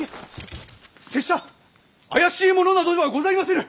拙者怪しい者などではございませぬ！